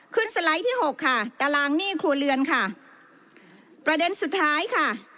สไลด์ที่หกค่ะตารางหนี้ครัวเรือนค่ะประเด็นสุดท้ายค่ะ